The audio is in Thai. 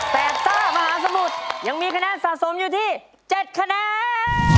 แต่ซ่ามหาสมุทรยังมีคะแนนสะสมอยู่ที่๗คะแนน